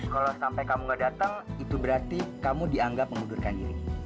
kalau sampai kamu gak datang itu berarti kamu dianggap mengundurkan diri